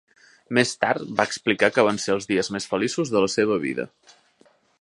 Més tard va explicar que van ser els dies més feliços de la seva vida.